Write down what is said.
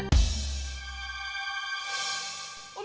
umi juga mau diiris kupingnya